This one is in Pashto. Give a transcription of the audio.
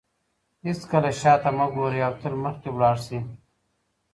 هیڅکله شاته مه ګورئ او تل مخکې لاړ شئ.